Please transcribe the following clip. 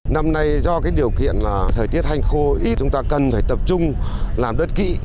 năm nay do điều kiện thời tiết thanh khô ít chúng ta cần phải tập trung làm đất kỹ